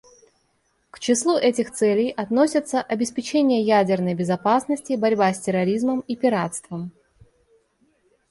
К числу этих целей относятся обеспечение ядерной безопасности, борьба с терроризмом и пиратством.